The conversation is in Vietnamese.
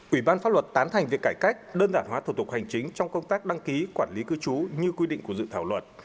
ủy ban pháp luật tán thành việc cải cách đơn giản hóa thủ tục hành chính trong công tác đăng ký quản lý cư trú như quy định của dự thảo luật